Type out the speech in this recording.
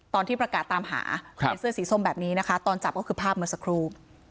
ตอนที่ประกาศตามหาในเสื้อสีส้มแบบนี้นะคะตอนจับก็คือภาพเมื่อสักครู่